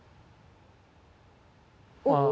ああ。